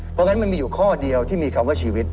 เพราะงั้นมันมีอยู่ข้อเดียวที่มีคำว่าชีวิต